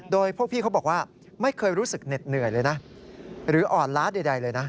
โดยพวกพี่เขาบอกว่าไม่เคยรู้สึกเหน็ดเหนื่อยเลยนะหรืออ่อนล้าใดเลยนะ